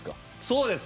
そうです。